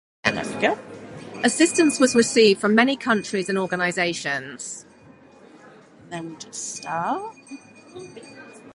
Assistance was received from many countries and organisations.